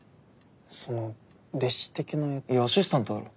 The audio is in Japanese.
その弟子的な。いやアシスタントだろ。